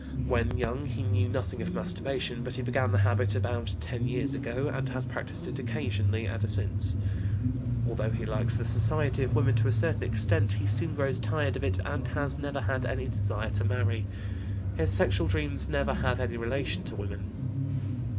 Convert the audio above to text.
When young he knew nothing of masturbation, but he began the habit about ten years ago, and has practised it occasionally ever since. Although he likes the society of women to a certain extent, he soon grows tired of it, and has never had any desire to marry. His sexual dreams never have any relation to women.